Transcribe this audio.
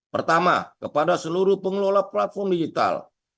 pertama kepada seluruh pengelola platform digital